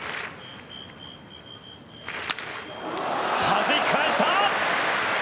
はじき返した！